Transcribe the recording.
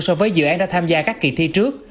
so với dự án đã tham gia các kỳ thi trước